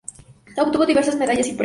Obtuvo diversas medallas y premios.